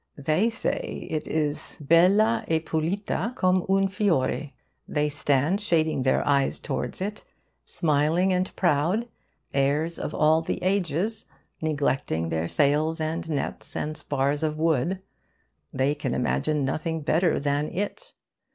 They say it is 'bella e pulita com' un fiore.' They stand shading their eyes towards it, smiling and proud, heirs of all the ages, neglecting their sails and nets and spars of wood. They can imagine nothing better than it.